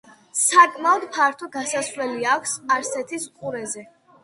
საკმაოდ ფართო გასასვლელი აქვს სპარსეთის ყურეზე.